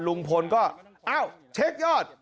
ลุงพลก็เอ้าเช็คยอด